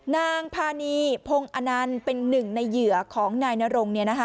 นางพานีพงศ์อนันต์เป็นหนึ่งในเหยื่อของนายนรง